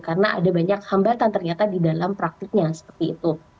karena ada banyak hambatan ternyata di dalam praktiknya seperti itu